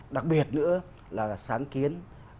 đặc biệt nữa là sáng kiến